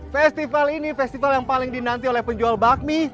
festival ini festival yang paling dinanti oleh penjual bakmi